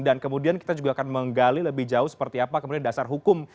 dan kemudian kita juga akan menggali lebih jauh seperti apa kemudian dasar hukum